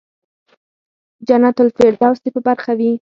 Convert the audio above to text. جنت الفردوس دې په برخه وي.